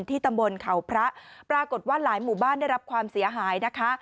ตำบลเขาพระปรากฏว่าหลายหมู่บ้านได้รับความเสียหายนะคะ